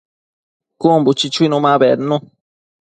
Cun buchi chuinu ma bednu